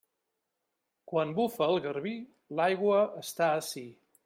Quan bufa el garbí, l'aigua està ací.